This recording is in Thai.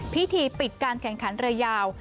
พิธีปิดการแข่งขันเรือยาว